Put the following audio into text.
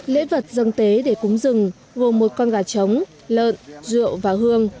lễ vật dân tế để cúng rừng gồm một con gà trống lợn rượu và hương